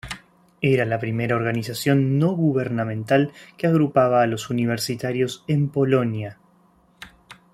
Era la primera organización no gubernamental que agrupaba a los universitarios en Polonia.